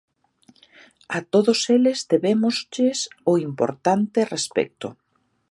A todos eles debémoslles o importante respecto.